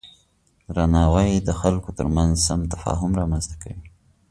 درناوی د خلکو ترمنځ سم تفاهم رامنځته کوي.